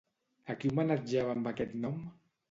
A qui homenatjava amb aquest nom?